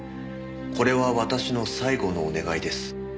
「これは私の最後のお願いです」